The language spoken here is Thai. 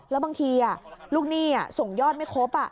แล้วบางทีลูกหนี้ส่งยอดไม่ครบ